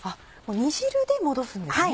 煮汁で戻すんですね。